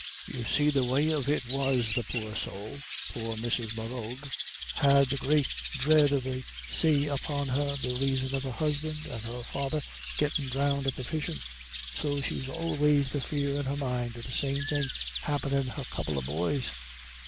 You see the way of it was the poor sowl poor Mrs. Morrough had the great dread of the say upon her, be raison of her husband and her father gettin' dhrowned at the fishin', so she'd always the fear in her mind of the same thing happ'nin' her couple of boys.